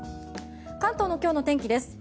関東の今日の天気です。